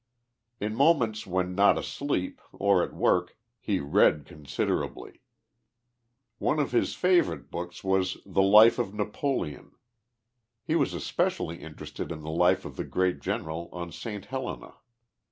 In moments when not asleep, or at work, he read considera bly. One of his favorite books was " The Life of Napoleon." He was especially interested in the life of the great general on St. Helena.